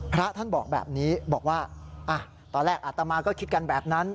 พระท่านบอกแบบนี้บอกว่าตอนแรกอัตมาก็คิดกันแบบนั้น